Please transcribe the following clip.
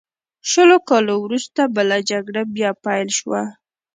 شلو کالو وروسته بله جګړه بیا پیل شوه.